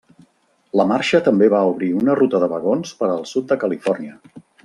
La marxa també va obrir una ruta de vagons per al sud de Califòrnia.